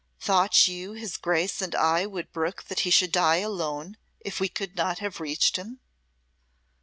Thought you his Grace and I would brook that he should die alone if we could not have reached him?"